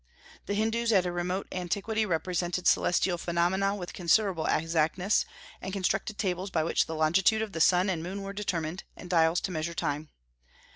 The Hindus at a remote antiquity represented celestial phenomena with considerable exactness, and constructed tables by which the longitude of the sun and moon were determined, and dials to measure time.